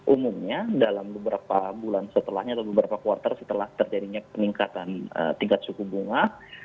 umumnya dalam beberapa bulan setelahnya atau beberapa kuartal setelah terjadinya peningkatan tingkat suku bunga